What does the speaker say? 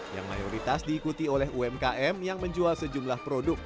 yang mayoritas diikuti oleh umkm yang menjual sejumlah produk